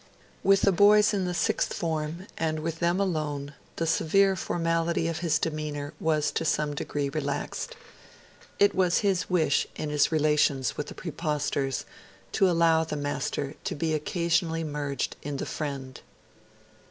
With the boys in the Sixth Form, and with them alone, the severe formality of his demeanour was to some degree relaxed. It was his wish, in his relations with the Praepostors, to allow the Master to be occasionally merged in the Friend.